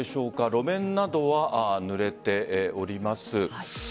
路面などはぬれております。